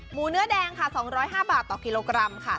เนื้อแดงค่ะ๒๐๕บาทต่อกิโลกรัมค่ะ